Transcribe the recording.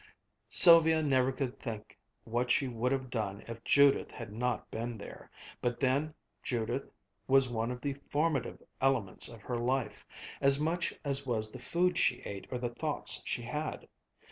Sylvia never could think what she would have done if Judith had not been there; but then, Judith was one of the formative elements of her life as much as was the food she ate or the thoughts she had.